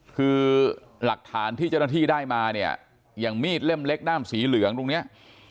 คือหลักฐานที่เจ้าหน้าที่ได้มาเนี่ยอย่างมีดเล่มเล็กด้ามสีเหลืองตรงเนี้ย